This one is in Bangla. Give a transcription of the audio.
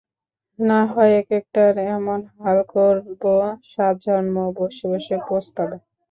নাহয় একেকটার এমন হাল করব সাত জন্ম বসে বসে পস্তাবে।